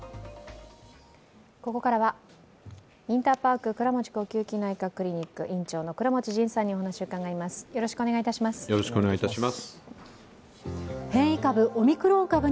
ここからはインターパーク倉持呼吸器内科クリニック院長の倉持仁さんにお話を伺います。